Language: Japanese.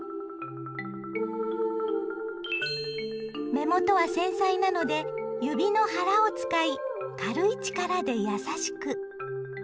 目元は繊細なので指の腹を使い軽い力で優しく。